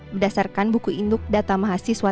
berdasarkan buku induk data mahasiswa